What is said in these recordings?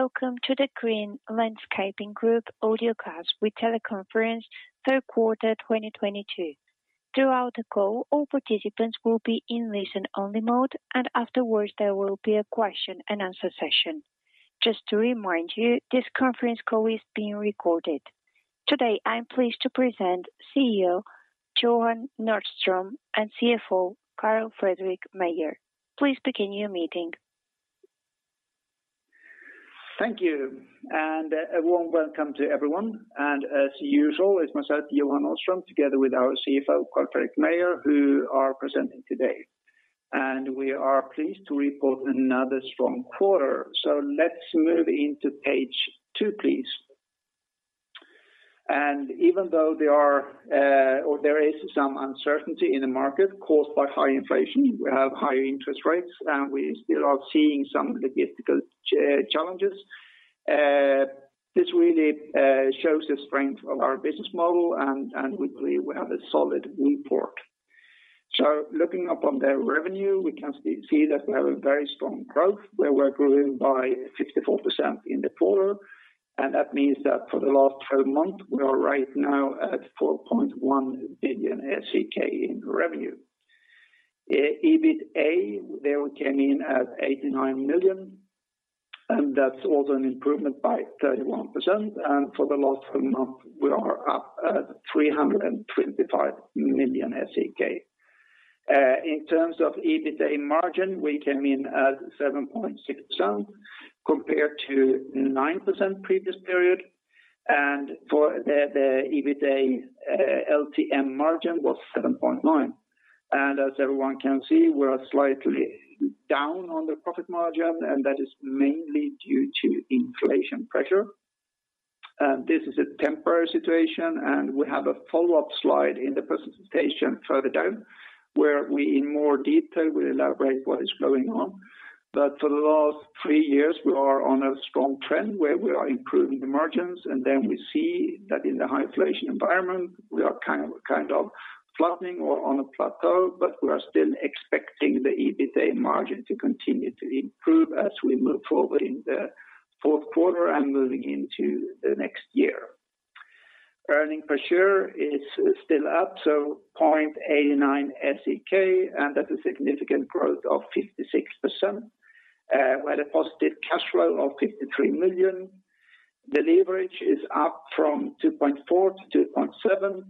Welcome to the Green Landscaping Group Audiocast with Teleconference Third Quarter 2022. Throughout the call, all participants will be in listen-only mode, and afterwards, there will be a question-and-answer session. Just to remind you, this conference call is being recorded. Today, I am pleased to present CEO, Johan Nordström, and CFO, Carl-Fredrik Meijer. Please begin your meeting. Thank you, and a warm welcome to everyone. As usual, it's myself, Johan Nordström, together with our CFO, Carl-Fredrik Meijer, who are presenting today. We are pleased to report another strong quarter. Let's move into page two, please. Even though there are, or there is some uncertainty in the market caused by high inflation, we have higher interest rates, and we still are seeing some logistical challenges. This really shows the strength of our business model and we believe we have a solid report. Looking up on the revenue, we can see that we have a very strong growth, where we're growing by 64% in the quarter, and that means that for the last 12 months, we are right now at 4.1 billion SEK in revenue. EBITA, there we came in at 89 million, and that's also an improvement by 31%. For the last 12 months, we are up at 325 million SEK. In terms of EBITA margin, we came in at 7.6% compared to 9% previous period. For the EBITA LTM margin was 7.9%. As everyone can see, we are slightly down on the profit margin, and that is mainly due to inflation pressure. This is a temporary situation, and we have a follow-up slide in the presentation further down, where we in more detail will elaborate what is going on. For the last three years, we are on a strong trend where we are improving the margins, and then we see that in the high inflation environment, we are kind of flattening or on a plateau, but we are still expecting the EBITA margin to continue to improve as we move forward in the fourth quarter and moving into the next year. Earnings per share is still up 0.89 SEK, and that's a significant growth of 56%. We had a positive cash flow of 53 million. The leverage is up from 2.4-2.7,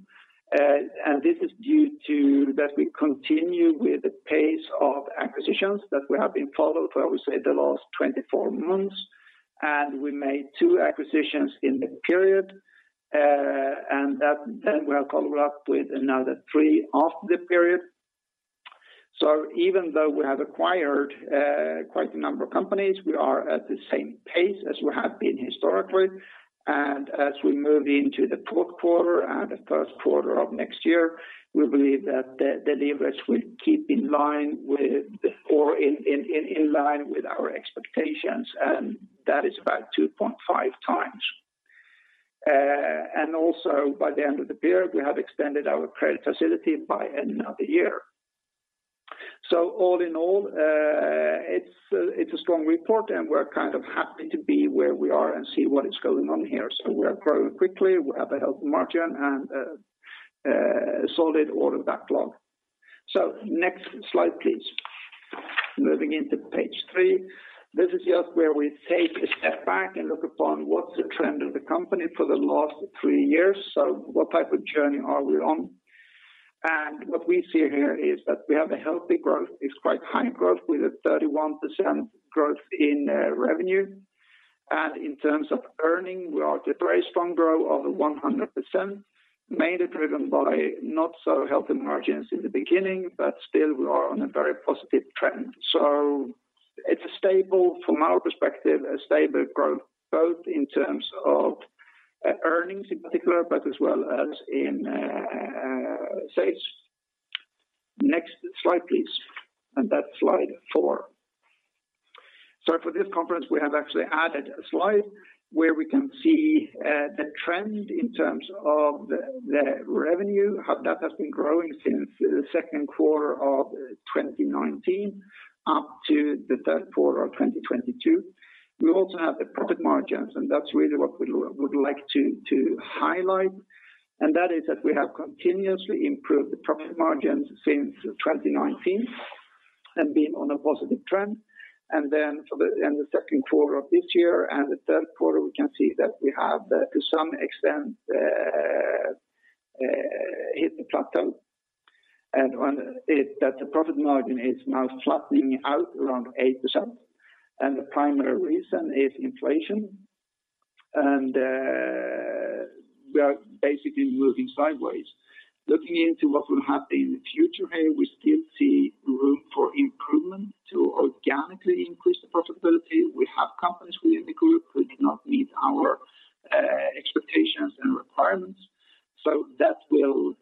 and this is due to that we continue with the pace of acquisitions that we have been following for, I would say, the last 24 months. We made two acquisitions in the period, and that then will follow up with another three after the period. Even though we have acquired quite a number of companies, we are at the same pace as we have been historically. As we move into the fourth quarter and the first quarter of next year, we believe that the leverage will keep in line with or in line with our expectations, and that is about 2.5x. Also by the end of the period, we have extended our credit facility by another year. All in all, it's a strong report, and we're kind of happy to be where we are and see what is going on here. We are growing quickly. We have a healthy margin and a solid order backlog. Next slide, please. Moving into page three. This is just where we take a step back and look upon what's the trend of the company for the last three years. What type of journey are we on? What we see here is that we have a healthy growth. It's quite high growth with a 31% growth in revenue. In terms of earning, we are at a very strong growth of 100%, mainly driven by not-so-healthy margins in the beginning, but still we are on a very positive trend. It's a stable, from our perspective, a stable growth both in terms of earnings in particular, but as well as in sales. Next slide, please. That's slide four. For this conference, we have actually added a slide where we can see the trend in terms of the revenue. How that has been growing since the second quarter of 2019 up to the third quarter of 2022. We also have the profit margins, and that's really what we would like to highlight. That is that we have continuously improved the profit margins since 2019 and been on a positive trend. Then in the second quarter of this year and the third quarter, we can see that we have to some extent hit the plateau. On it, that the profit margin is now flattening out around 8%. The primary reason is inflation. We are basically moving sideways. Looking into what will happen in the future here, we still see room for improvement to organically increase the profitability. We have companies within the group who do not meet our expectations and requirements. That will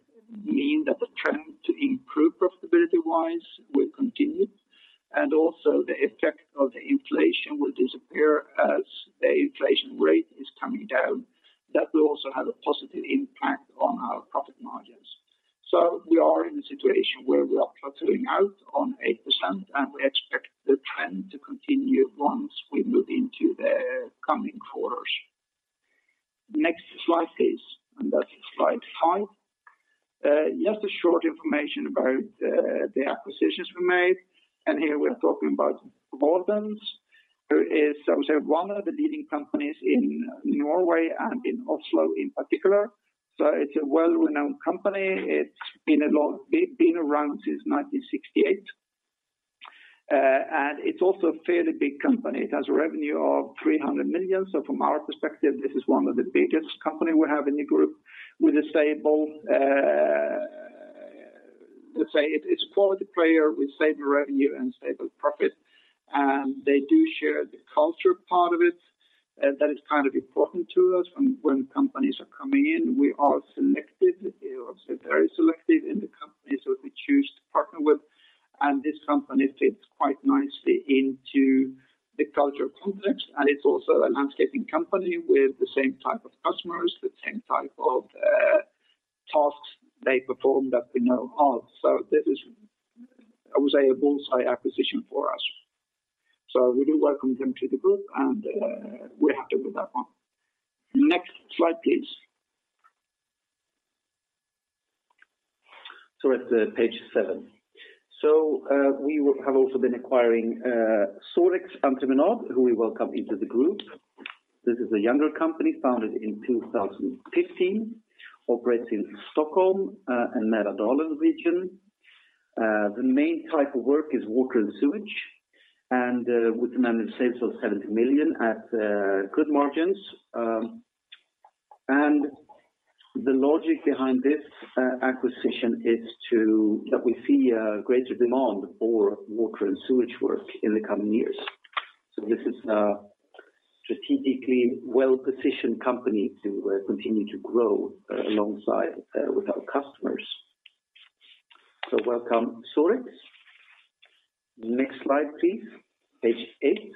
mean that the trend to improve profitability-wise will continue. Also the effect of the inflation will disappear as the inflation rate down, that will also have a positive impact on our profit margins. We are in a situation where we are plateauing out on 8%, and we expect the trend to continue once we move into the coming quarters. Next slide, please. That's slide five. Just a short information about the acquisitions we made, and here we're talking about Voldens, who is, I would say, one of the leading companies in Norway and in Oslo in particular. It's a well-renowned company. It's been a long. Been around since 1968. It's also a fairly big company. It has a revenue of 300 million. From our perspective, this is one of the biggest company we have in the group with a stable, let's say it is quality player with stable revenue and stable profit. They do share the culture part of it, that is kind of important to us when companies are coming in. We are selective, also very selective in the companies that we choose to partner with, and this company fits quite nicely into the culture context. It's also a landscaping company with the same type of customers, the same type of tasks they perform that we know of. This is, I would say, a bull's eye acquisition for us. We do welcome them to the group, and we're happy with that one. Next slide, please. At page seven. We have also been acquiring Sorex Entreprenad, who we welcome into the group. This is a younger company founded in 2015, operates in Stockholm and Mälardalen region. The main type of work is water and sewage, and with managed sales of 70 million at good margins. The logic behind this acquisition is that we see a greater demand for water and sewage work in the coming years. This is a strategically well-positioned company to continue to grow alongside with our customers. Welcome, Sorex. Next slide, please. Page eight.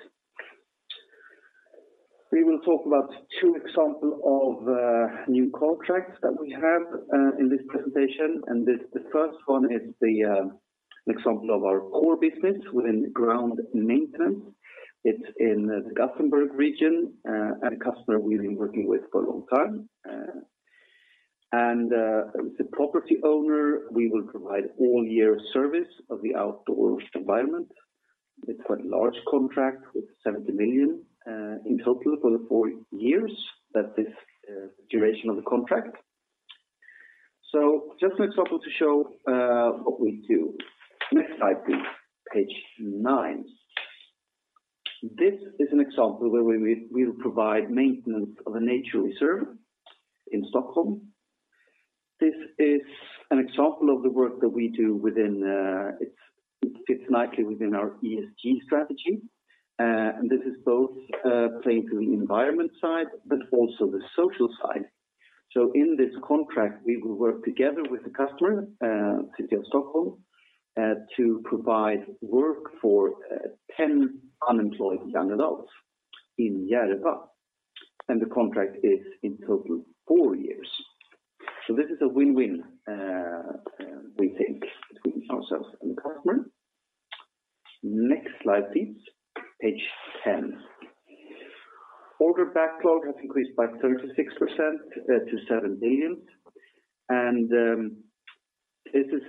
We will talk about two examples of new contracts that we have in this presentation. The first one is the example of our core business within ground maintenance. It's in the Gothenburg region and a customer we've been working with for a long time. The property owner, we will provide all year service of the outdoor environment. It's quite a large contract with 70 million in total for the four years that this duration of the contract. Just an example to show what we do. Next slide, please. Page nine. This is an example where we will provide maintenance of a nature reserve in Stockholm. This is an example of the work that we do within. It fits nicely within our ESG strategy. This is both playing to the environment side, but also the social side. In this contract, we will work together with the customer, City of Stockholm, to provide work for 10 unemployed young adults in Järva, and the contract is in total four years. This is a win-win, we think between ourselves and the customer. Next slide, please. Page 10. Order backlog has increased by 36% to 7 billion. This is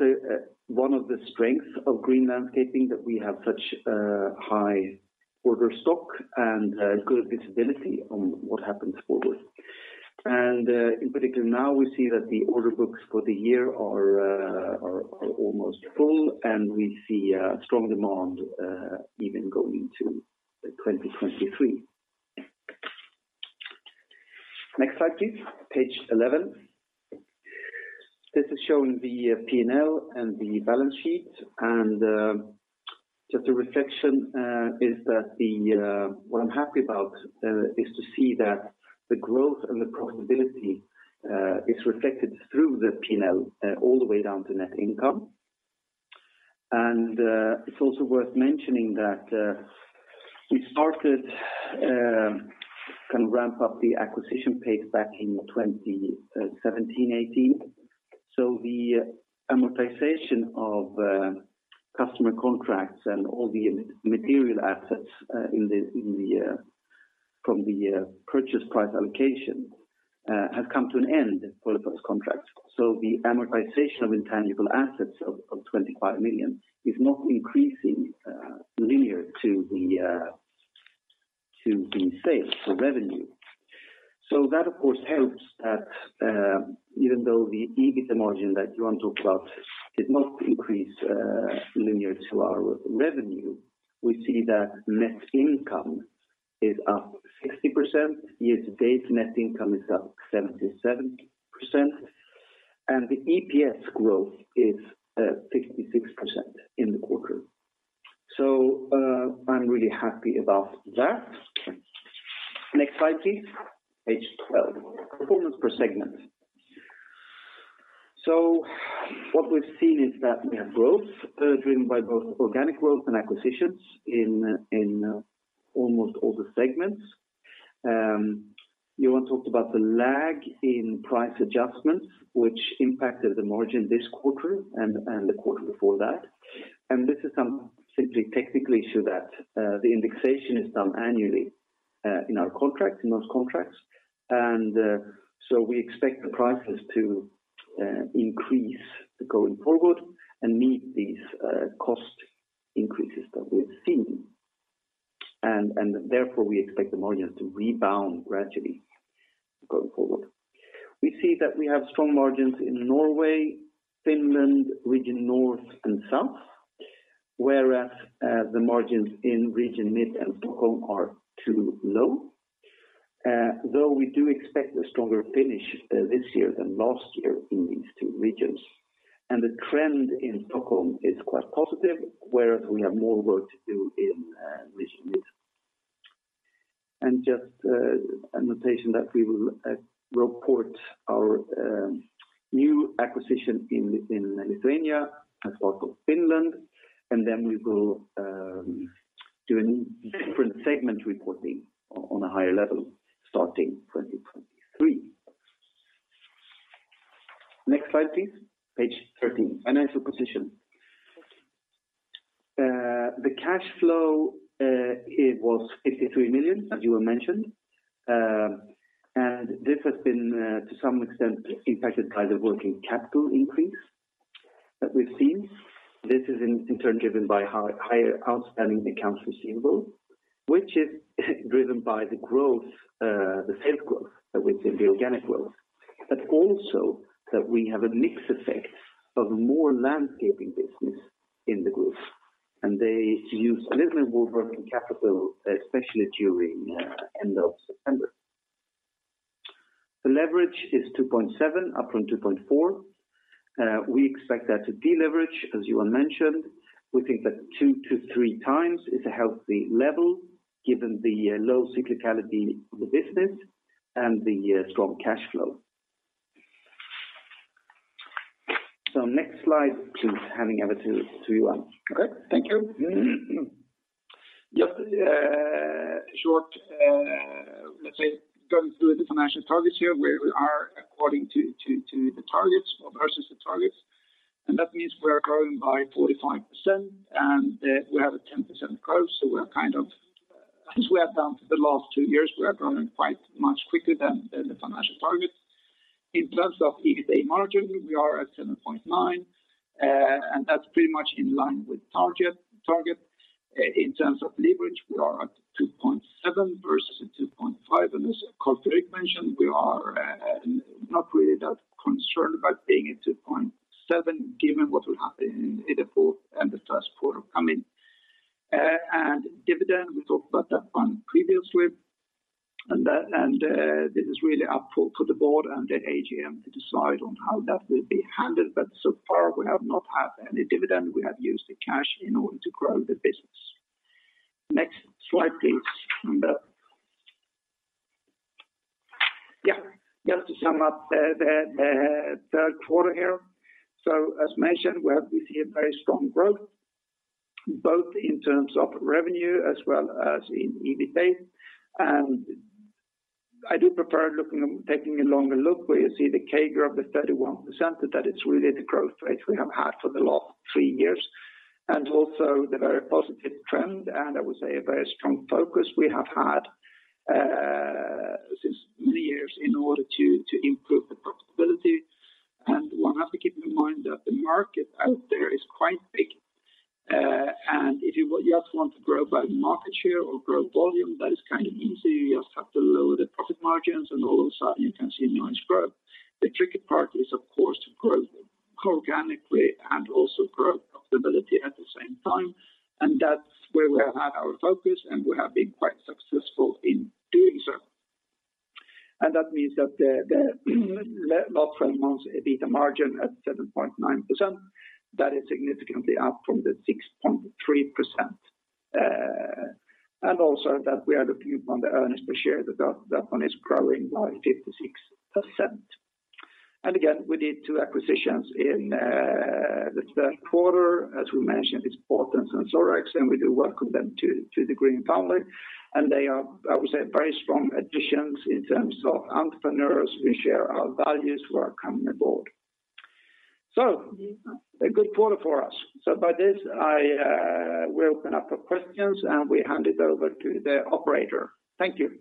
one of the strengths of Green Landscaping that we have such high order stock and good visibility on what happens forward. In particular, now we see that the order books for the year are almost full, and we see a strong demand even going into 2023. Next slide, please. Page 11. This is showing the P&L and the balance sheet. Just a reflection is that what I'm happy about is to see that the growth and the profitability is reflected through the P&L all the way down to net income. It's also worth mentioning that we started kind of ramp up the acquisition pace back in 2017-18. The amortization of customer contracts and all the material assets from the purchase price allocation has come to an end for the first contract. The amortization of intangible assets of 25 million is not increasing linear to the sales, so revenue. That, of course, helps that even though the EBITA margin that Johan Nordström talked about did not increase linear to our revenue, we see that net income is up 60%. Year-to-date net income is up 77%. The EPS growth is 56% in the quarter. I'm really happy about that. Next slide, please. Page 12. Performance per segment. What we've seen is that we have growth driven by both organic growth and acquisitions in almost all the segments. Johan Nordström talked about the lag in price adjustments, which impacted the margin this quarter and the quarter before that. This is some simply technical issue that the indexation is done annually in our contracts, in those contracts. We expect the prices to increase going forward and meet these cost increases that we're seeing. We expect the margins to rebound gradually going forward. We see that we have strong margins in Norway, Finland, Region North and South, whereas the margins in Region Mid and Stockholm are too low. Though we do expect a stronger finish this year than last year in these two regions. The trend in Stockholm is quite positive, whereas we have more work to do in Region Mid. A notation that we will report our new acquisition in Lithuania, as well as Finland. We will do a different segment reporting on a higher level starting 2023. Next slide, please. Page 13, financial position. The cash flow, it was 53 million, as Johan mentioned. This has been, to some extent impacted by the working capital increase that we've seen. This is in turn driven by higher outstanding accounts receivable, which is driven by the growth, the sales growth that we've seen, the organic growth. Also that we have a mix effect of more landscaping business in the group, and they use a little more working capital, especially during end of September. The leverage is 2.7 up from 2.4. We expect that to deleverage, as Johan mentioned. We think that 2-3x is a healthy level given the low cyclicality of the business and the strong cash flow. Next slide, please, handing over to Johan. Okay, thank you. Just short, let's say, going through the financial targets here, where we are according to the targets or versus the targets. That means we are growing by 45%, and we have a 10% growth. We're kind of, as we have done for the last two years, we are growing quite much quicker than the financial targets. In terms of EBITA margin, we are at 7.9%, and that's pretty much in line with target. In terms of leverage, we are at 2.7 versus a 2.5. As Carl-Fredrik mentioned, we are not really that concerned about being at 2.7 given what will happen in the fourth and the first quarter coming. Dividend, we talked about that one previously. This is really up to the board and the AGM to decide on how that will be handled. So far, we have not had any dividend. We have used the cash in order to grow the business. Next slide, please, Linda. Yeah. Just to sum up the third quarter here. As mentioned, we have this year very strong growth, both in terms of revenue as well as in EBITA. I do prefer looking, taking a longer look where you see the CAGR of 31%, that is really the growth rate we have had for the last three years. Also the very positive trend, and I would say a very strong focus we have had since many years in order to improve the profitability. One has to keep in mind that the market out there is quite big. If you also want to grow by market share or grow volume, that is kind of easy. You just have to lower the profit margins, and all of a sudden you can see nice growth. The tricky part is of course to grow organically and also grow profitability at the same time. That's where we have had our focus, and we have been quite successful in doing so. That means that the last 12 months, EBITA margin at 7.9%, that is significantly up from the 6.3%. Also, we are looking upon the earnings per share, that one is growing by 56%. We did two acquisitions in the third quarter. As we mentioned, it's Voldens and Sorex, and we do welcome them to the Green family. They are, I would say, very strong additions in terms of entrepreneurs who share our values who are coming aboard. A good quarter for us. By this, I will open up for questions, and we hand it over to the operator. Thank you.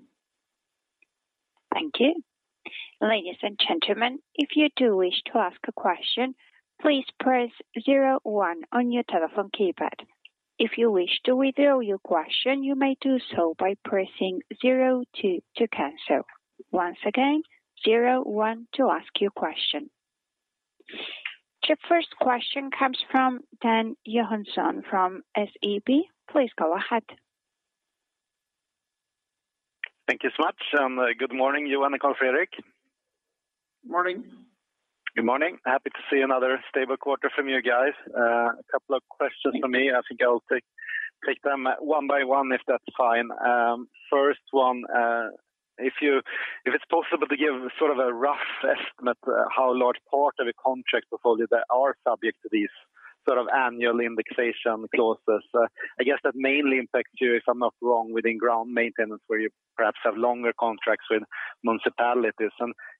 Thank you. Ladies and gentlemen, if you do wish to ask a question, please press zero one on your telephone keypad. If you wish to withdraw your question, you may do so by pressing zero two to cancel. Once again, zero one to ask your question. The first question comes from Dan Johansson from SEB. Please go ahead. Thank you so much, and good morning, Johan and Carl-Fredrik. Morning. Good morning. Happy to see another stable quarter from you guys. A couple of questions from me. I think I'll take them one by one, if that's fine. First one, if it's possible to give sort of a rough estimate how large part of the contract portfolio that are subject to these sort of annual indexation clauses. I guess that mainly impacts you, if I'm not wrong, within ground maintenance where you perhaps have longer contracts with municipalities.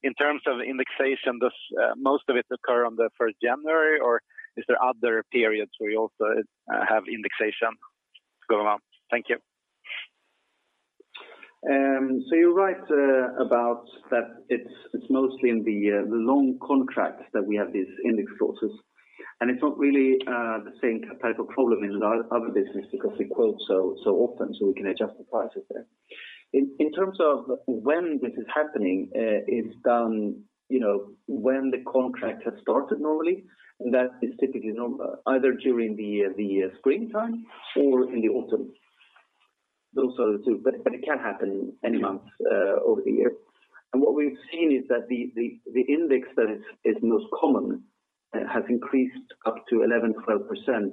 In terms of indexation, does most of it occur on the first January or is there other periods where you also have indexation going on? Thank you. You're right about that it's mostly in the long contracts that we have these index clauses. It's not really the same type of problem in our other business because we quote so often, so we can adjust the prices there. In terms of when this is happening, it's done, you know, when the contract has started normally, and that is typically either during the springtime or in the autumn. Those are the two, but it can happen any month over the year. What we've seen is that the index that is most common has increased up to 11%-12%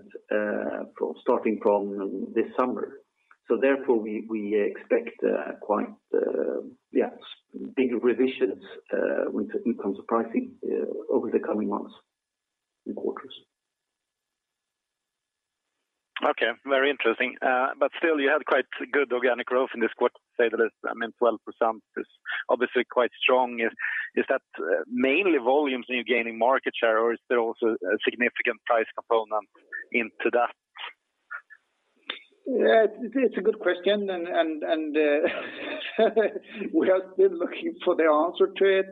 starting from this summer. Therefore, we expect quite yeah big revisions when it comes to pricing over the coming months and quarters. Okay, very interesting. Still you had quite good organic growth in this quarter. I mean, 12% is obviously quite strong. Is that mainly volumes and you're gaining market share or is there also a significant price component into that? Yeah, it's a good question. We are still looking for the answer to it.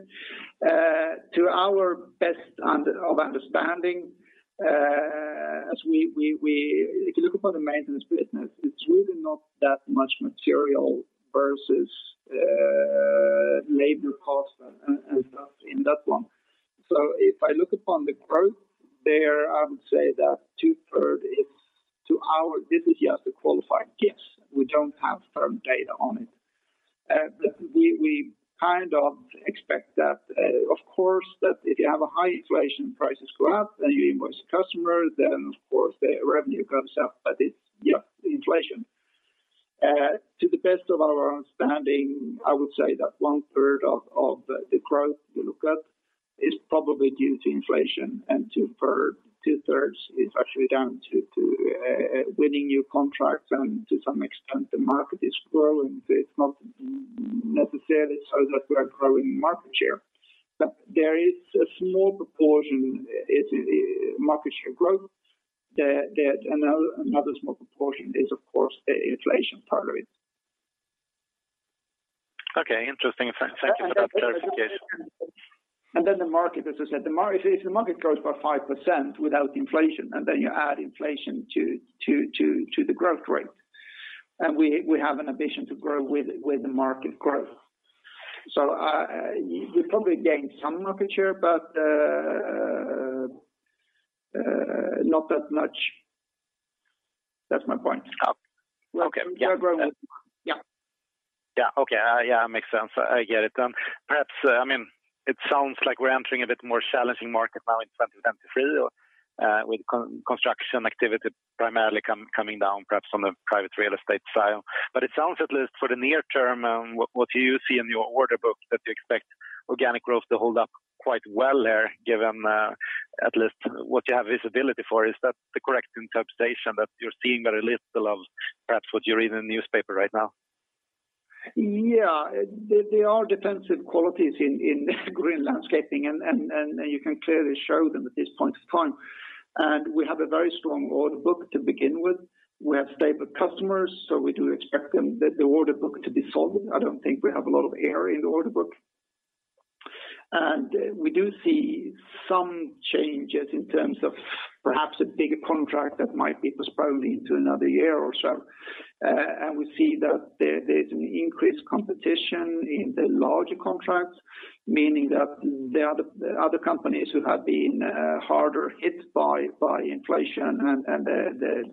To our best understanding, as we... If you look upon the maintenance business, it's really not that much material versus labor cost and stuff in that one. If I look upon the growth there, I would say that two-thirds is to our... This is just a qualified guess. We don't have firm data on it. We kind of expect that, of course, that if you have a high inflation, prices go up, then you invoice the customer, then of course their revenue goes up. It's, yeah, inflation. To the best of our understanding, I would say that 1/3 of the growth you look at is probably due to inflation, and 2/3 is actually down to winning new contracts and to some extent the market is growing. It's not necessarily so that we are growing market share. There is a small proportion is market share growth. Another small proportion is of course the inflation part of it. Okay, interesting. Thank you for that clarification. The market, as I said. If the market grows by 5% without inflation, and then you add inflation to the growth rate, and we have an ambition to grow with the market growth. You probably gain some market share, but not that much. That's my point. Okay. Yeah. We are growing. Yeah. Yeah. Okay. Yeah, makes sense. I get it. Perhaps, I mean, it sounds like we're entering a bit more challenging market now in 2023 or with construction activity primarily coming down perhaps on the private real estate side. It sounds at least for the near term, what you see in your order book that you expect organic growth to hold up quite well there, given at least what you have visibility for. Is that the correct interpretation that you're seeing very little of perhaps what you read in the newspaper right now? Yeah. There are defensive qualities in green landscaping and you can clearly show them at this point of time. We have a very strong order book to begin with. We have stable customers, so we do expect the order book to be solid. I don't think we have a lot of air in the order book. We do see some changes in terms of perhaps a bigger contract that might be postponed into another year or so. We see that there is an increased competition in the larger contracts, meaning that there are other companies who have been harder hit by inflation and the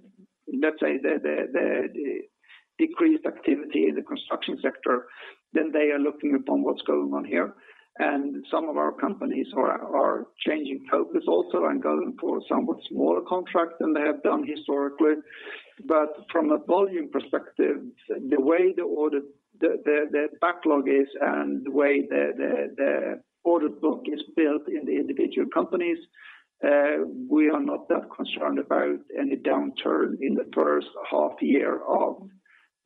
decreased activity in the construction sector, then they are looking upon what's going on here. Some of our companies are changing focus also and going for somewhat smaller contracts than they have done historically. From a volume perspective, the way the backlog is and the way the order book is built in the individual companies, we are not that concerned about any downturn in the first half year of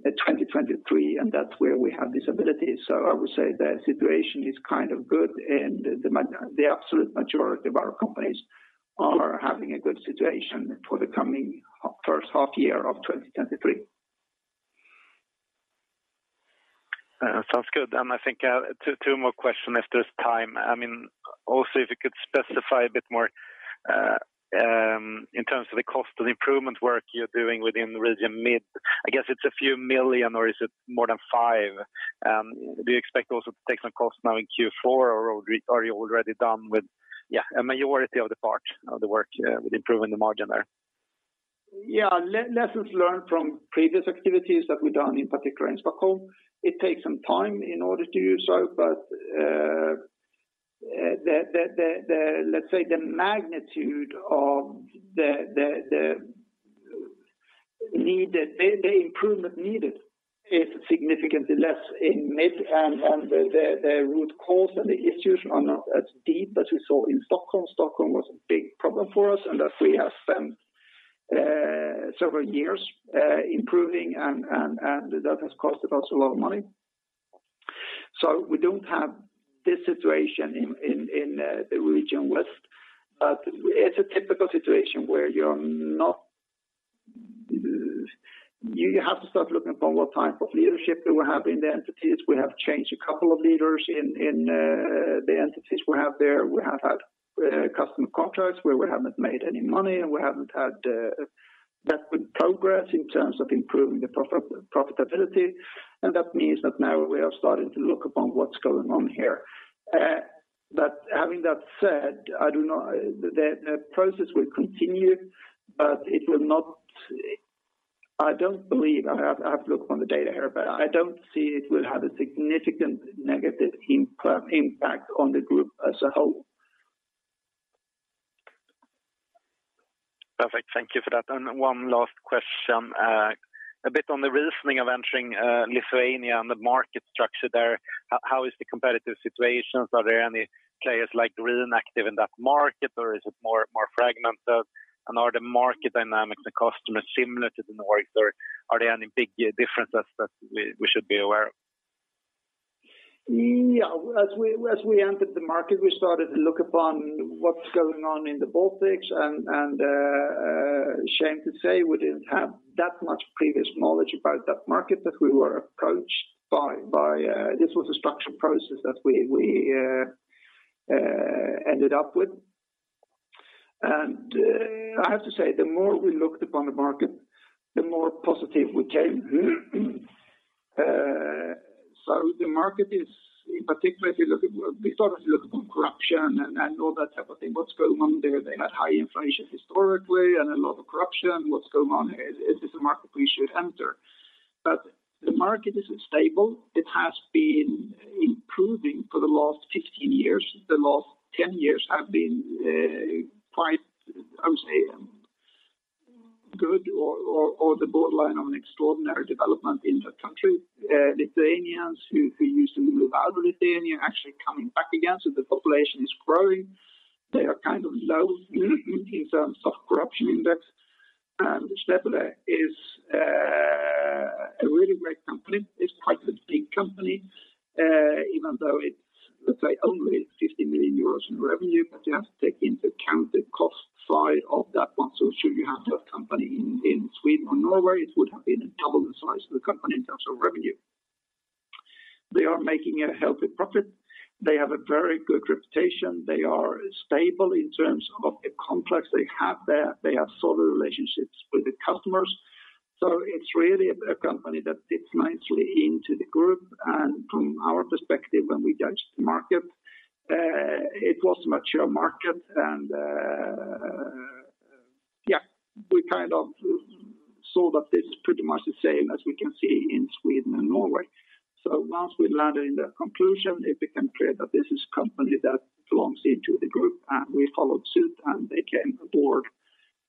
2023, and that's where we have this ability. I would say the situation is kind of good and the absolute majority of our companies are having a good situation for the first half year of 2023. Sounds good. I think two more questions if there's time. I mean, also if you could specify a bit more in terms of the cost of the improvement work you're doing within Region Mid. I guess it's SEK a few million or is it more than 5 million? Do you expect also to take some costs now in Q4 or are you already done with a majority of the part of the work with improving the margin there? Yeah. Lessons learned from previous activities that we've done, in particular in Stockholm, it takes some time in order to do so, but let's say the magnitude of the need, the improvement needed is significantly less in Region Mid and the root cause and the issues are not as deep as we saw in Stockholm. Stockholm was a big problem for us, and we have spent several years improving and that has cost us a lot of money. We don't have this situation in the Region Mid. It's a typical situation where you have to start looking upon what type of leadership do we have in the entities. We have changed a couple of leaders in the entities we have there. We have had customer contracts where we haven't made any money, and we haven't had that good progress in terms of improving the profitability. That means that now we are starting to look upon what's going on here. Having that said, the process will continue, but it will not. I have looked upon the data here, but I don't see it will have a significant negative impact on the group as a whole. Perfect. Thank you for that. One last question. A bit on the reasoning of entering, Lithuania and the market structure there. How is the competitive situations? Are there any players like really active in that market, or is it more fragmented? Are the market dynamics, the customers similar to the North, or are there any big differences that we should be aware of? Yeah. As we entered the market, we started to look upon what's going on in the Baltics. Shame to say we didn't have that much previous knowledge about that market that we were approached by. This was a structured process that we ended up with. I have to say, the more we looked upon the market, the more positive we came. The market is, in particular if you look at. We started to look upon corruption and all that type of thing. What's going on there? They had high inflation historically and a lot of corruption. What's going on? Is this a market we should enter? The market is stable. It has been improving for the last 15 years. The last 10 years have been quite, I would say, good or the borderline of an extraordinary development in that country. Lithuanians who used to move out of Lithuania are actually coming back again, so the population is growing. They are kind of low in terms of corruption index. Stebulė is a really great company. It's quite a big company, even though it's, let's say, only 50 million euros in revenue. But you have to take into account the cost side of that one. should you have that company in Sweden or Norway, it would have been double the size of the company in terms of revenue. They are making a healthy profit. They have a very good reputation. They are stable in terms of the contracts they have there. They have solid relationships with the customers. It's really a company that fits nicely into the group. From our perspective, when we judged the market, it was a mature market. Yeah, we kind of saw that this is pretty much the same as we can see in Sweden and Norway. Once we landed in that conclusion, it became clear that this is company that belongs into the group, and we followed suit, and they came aboard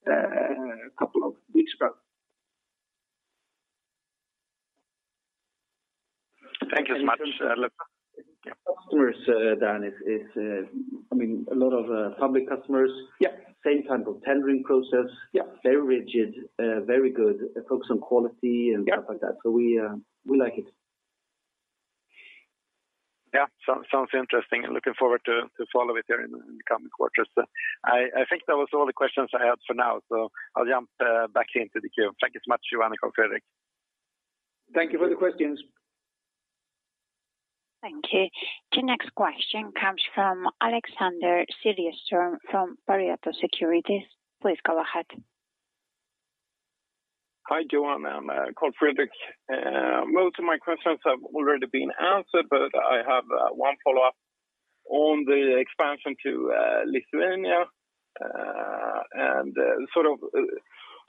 a couple of weeks ago. Thank you so much, Johan. Customers, Dan, is, I mean, a lot of public customers. Yeah. Same type of tendering process. Yeah. Very rigid, very good, focus on quality and stuff like that. Yeah. We like it. Yeah. Sounds interesting. Looking forward to follow it here in the coming quarters. I think that was all the questions I had for now, so I'll jump back into the queue. Thank you so much, Johan and Carl-Fredrik. Thank you for the questions. Thank you. The next question comes from Alexander Siljeström from Pareto Securities. Please go ahead. Hi, Johan and Carl-Fredrik. Most of my questions have already been answered, but I have one follow-up on the expansion to Lithuania and sort of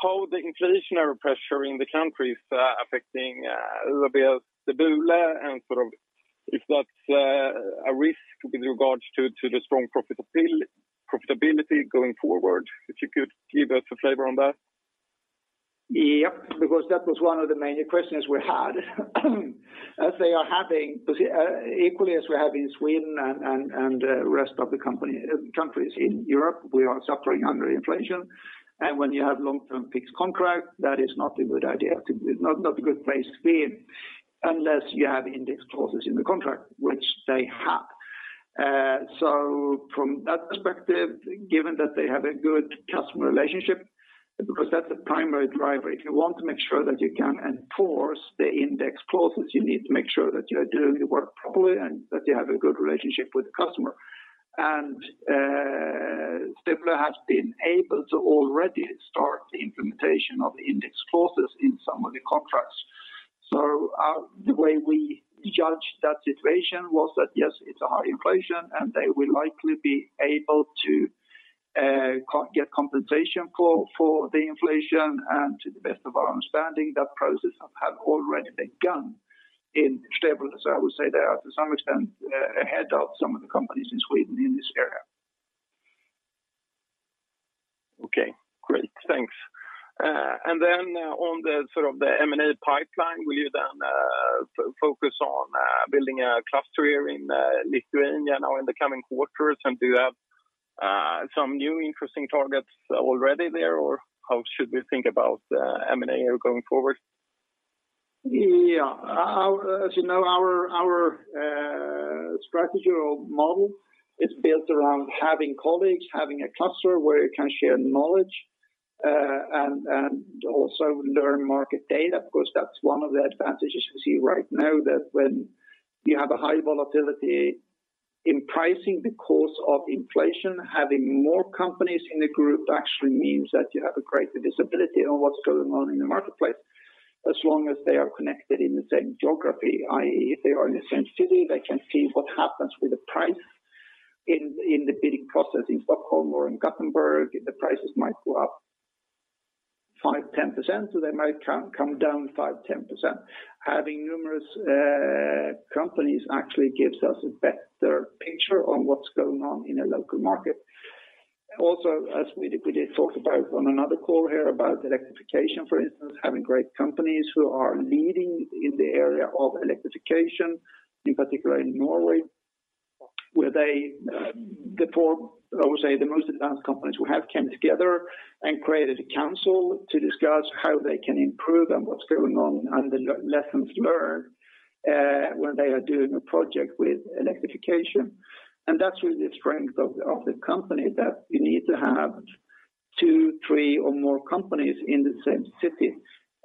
how the inflationary pressure in the country is affecting Stebulė and sort of if that's a risk with regards to the strong profitability going forward. If you could give us a flavor on that. Yep. Because that was one of the main questions we had. Equally as we have in Sweden and rest of the company countries in Europe, we are suffering under inflation. When you have long-term fixed contract, that is not a good idea to do. Not a good place to be unless you have index clauses in the contract, which they have. From that perspective, given that they have a good customer relationship, because that's a primary driver. If you want to make sure that you can enforce the index clauses, you need to make sure that you are doing the work properly and that you have a good relationship with the customer. Stebulė has been able to already start the implementation of the index clauses in some of the contracts. The way we judge that situation was that, yes, it's a high inflation, and they will likely be able to get compensation for the inflation and to the best of our understanding, that process has already begun in Stockholm. I would say they are to some extent ahead of some of the companies in Sweden in this area. Okay, great. Thanks. On the sort of the M&A pipeline, will you then focus on building a cluster here in Lithuania now in the coming quarters? And do you have some new interesting targets already there, or how should we think about M&A going forward? Yeah. As you know, our strategy or model is built around having colleagues, having a cluster where you can share knowledge and also learn market data. Of course, that's one of the advantages you see right now that when you have a high volatility in pricing because of inflation, having more companies in the group actually means that you have a greater visibility on what's going on in the marketplace, as long as they are connected in the same geography, i.e., if they are in the same city, they can see what happens with the price in the bidding process in Stockholm or in Gothenburg. The prices might go up 5%-10%, so they might come down 5%-10%. Having numerous companies actually gives us a better picture on what's going on in a local market. As we did talk about on another call here about electrification, for instance, having great companies who are leading in the area of electrification, in particular in Norway, where they, the four, I would say, the most advanced companies who have came together and created a council to discuss how they can improve and what's going on and the lessons learned, when they are doing a project with electrification. That's really the strength of the company, that you need to have two, three or more companies in the same city,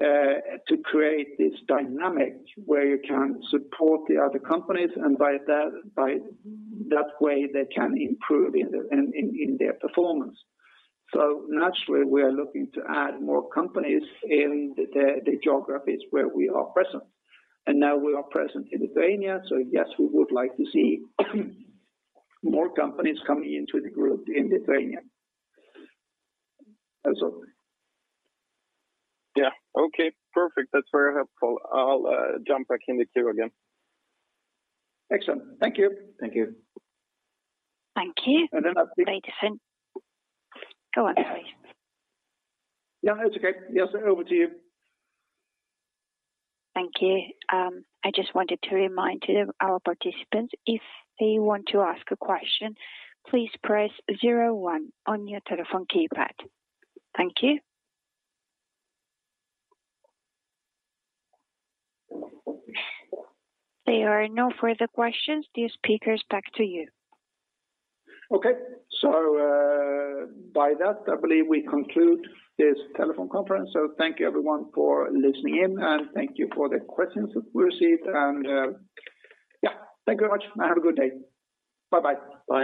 to create this dynamic where you can support the other companies, and by that way, they can improve in their performance. Naturally, we are looking to add more companies in the geographies where we are present. Now we are present in Lithuania. Yes, we would like to see more companies coming into the group in Lithuania. That's all. Yeah. Okay, perfect. That's very helpful. I'll jump back in the queue again. Excellent. Thank you. Thank you. Thank you. And then I think- Later. Go on, sorry. No, it's okay. Yes, over to you. Thank you. I just wanted to remind our participants, if they want to ask a question, please press zero-one on your telephone keypad. Thank you. There are no further questions. Dear speakers, back to you. Okay. By that, I believe we conclude this telephone conference. Thank you everyone for listening in, and thank you for the questions we received. Yeah, thank you very much, and have a good day. Bye-bye. Bye.